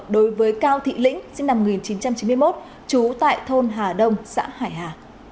đối với cao thị lĩnh sinh năm một nghìn chín trăm chín mươi một trú tại thôn hà đông xã hải hà